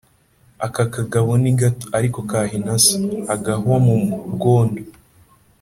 Aka kagabo ni gato, ariko kahina so.-Agahwa mu rwondo.